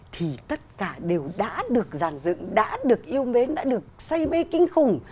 thì tất cả đều đã được giàn dựng đã được yêu mến đã được xây mê kinh khủng